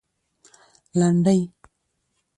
لنډۍ